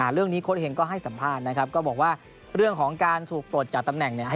โค้ดเห็งก็ให้สัมภาษณ์นะครับก็บอกว่าเรื่องของการถูกปลดจากตำแหน่งเนี่ย